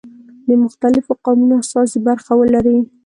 د مختلفو قومونو استازي برخه ولري.